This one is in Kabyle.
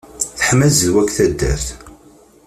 Teḥma zzedwa deg taddart!